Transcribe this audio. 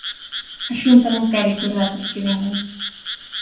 A Xunta non quere que os datos queden aí.